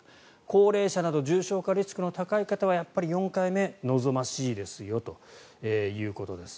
高齢者など重症化リスクの高い方は４回目望ましいですよということです。